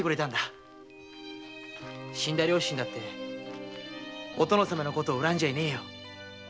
死んだ両親だってきっとお殿様のこと恨んじゃいねえよ。